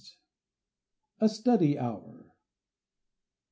A STUDY HOUR.